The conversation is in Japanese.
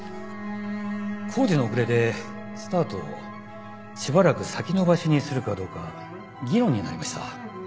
工事の遅れでスタートをしばらく先延ばしにするかどうか議論になりました。